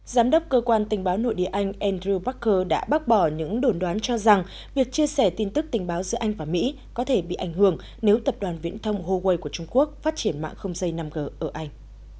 giám đốc cơ quan tình báo nội địa anh andrew barker đã bác bỏ những đồn đoán cho rằng việc chia sẻ tin tức tình báo giữa anh và mỹ có thể bị ảnh hưởng nếu tập đoàn viễn thông huawei của trung quốc phát triển mạng không dây năm g ở anh